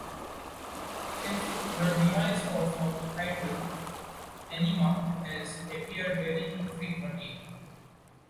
Since the demise of her title, Anima has appeared very infrequently.